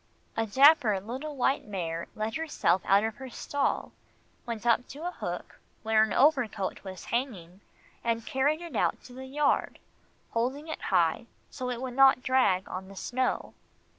A dapper little white mare let herself out of her stall, went up to a hook where an overcoat was hanging, and carried it out to the yard, holding it high so it would not drag on the snow.